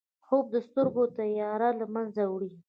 خوب د سترګو تیاره له منځه وړي